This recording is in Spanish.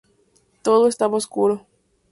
Todo estaba oscuro.